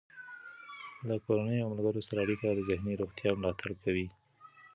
له کورنۍ او ملګرو سره اړیکه د ذهني روغتیا ملاتړ کوي.